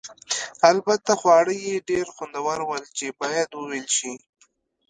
البته خواړه یې ډېر خوندور ول چې باید وویل شي.